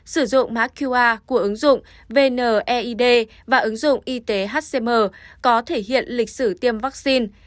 sử dụng mã qr của ứng dụng vneid và ứng dụng y tế hcm có thể hiện lịch sử tiêm vaccine